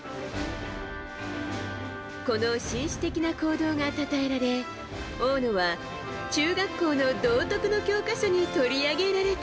この紳士的な行動がたたえられ大野は中学校の道徳の教科書に取り上げられた。